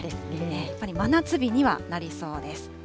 やっぱり真夏日にはなりそうです。